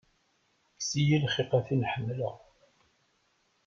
Kkes-iyi lxiq a tin ḥemmleɣ.